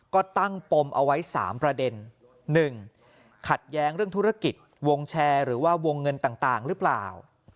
ก็ตั้งปมเอาไว้๓ประเด็น๑ขัดแย้งเรื่องธุรกิจวงแชร์หรือว่าวงเงินต่างหรือเปล่า